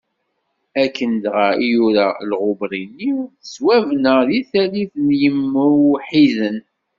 Akken dɣa i yura Lɣubrini, tettwabna deg tallit n yimweḥḥiden.